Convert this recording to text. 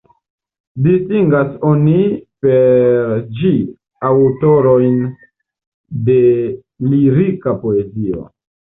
Distingas oni per ĝi aŭtorojn de lirika poezio.